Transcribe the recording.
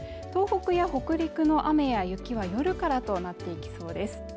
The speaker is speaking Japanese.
東北や北陸の雨や雪は夜からとなっていきそうです